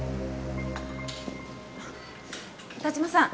田嶋さん。